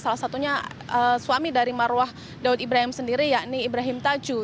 salah satunya suami dari marwah daud ibrahim sendiri yakni ibrahim tajuh